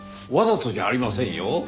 わざとじゃありませんよ。